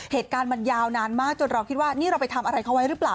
เหตุการณ์มันยาวนานมากจนเราคิดว่านี่เราไปทำอะไรเขาไว้หรือเปล่า